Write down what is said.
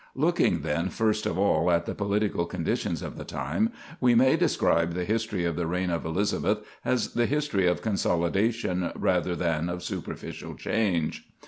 Looking, then, first of all, at the political conditions of the time, we may describe the history of the reign of Elizabeth as the history of consolidation rather than of superficial change.